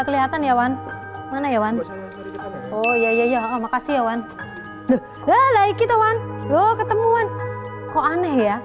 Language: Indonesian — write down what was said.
kelihatan ya wan mana ya wan oh iya iya makasih ya wan tuh lagi kita wan loh ketemuan kok aneh ya